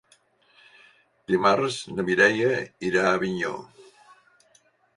Dimarts na Mireia irà a Avinyó.